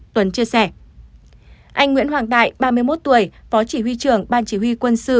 tuấn chia sẻ anh nguyễn hoàng đại ba mươi một tuổi phó chỉ huy trưởng ban chỉ huy quân sự